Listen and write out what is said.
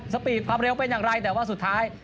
สปีดความเร็วเป็นอย่างไรแต่ว่าสุดท้าย